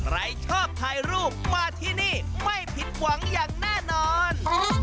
ใครชอบถ่ายรูปมาที่นี่ไม่ผิดหวังอย่างแน่นอน